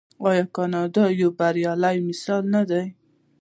آیا کاناډا یو بریالی مثال نه دی؟